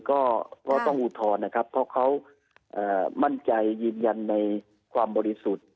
ก็ต้องอุทธรณ์นะครับเพราะเขามั่นใจยืนยันในความบริสุทธิ์